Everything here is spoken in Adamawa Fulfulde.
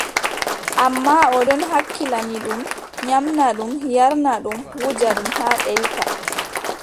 Ammaa o ɗon hakkilani ɗum, nyaamna ɗum, yarna ɗum, wuja ɗum haa ɗelka.